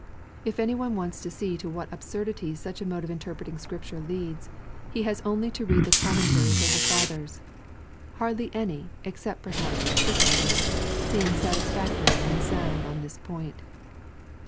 If any one wants to see to what absurdities such a mode of interpreting Scripture leads, he has only to read the commentaries of the Fathers. Hardly any, except perhaps, Ohrysostom, seem satisfactory and sound on this point.